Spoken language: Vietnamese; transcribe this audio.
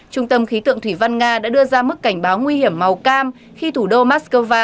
trung tâm khí tượng thủy văn nga đã đưa ra mức cảnh báo nguy hiểm màu cam khi thủ đô moscow